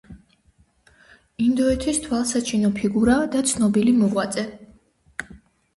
ინდოეთის თვალსაჩინო ფიგურა და ცნობილი მოღვაწე.